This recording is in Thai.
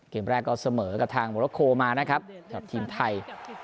เกมแรกก็เสมอกับทางโมโลโคมานะครับสำหรับทีมไทย